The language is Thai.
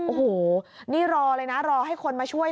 โอ้โหนี่รอเลยนะรอให้คนมาช่วย